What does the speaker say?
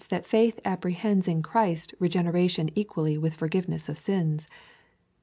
that faith apprehends in Christ regeneration equally with forgiveness of sins.